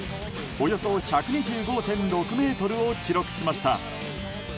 およそ１２５．６ｍを記録しました。